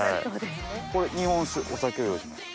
これ日本酒お酒を用意しました。